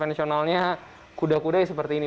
konvensionalnya kuda kuda ya seperti ini